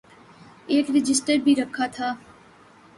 ایک رجسٹر بھی رکھا تھا۔